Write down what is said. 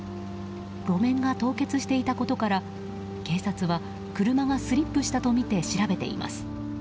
路面が凍結していたことから警察は車がスリップしたとみて調べています。